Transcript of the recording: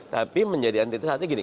tapi menjadi antitesa artinya gini